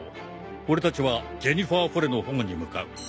俺たちはジェニファーフォレの保護に向かう。